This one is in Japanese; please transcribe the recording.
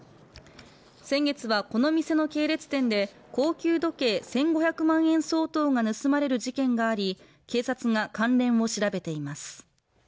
先月はこの店の系列店で高級時計１５００万円相当が盗まれる事件があり警察が関連を調べています。